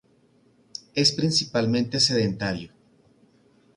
Es principalmente sedentario.